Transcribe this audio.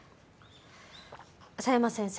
佐山先生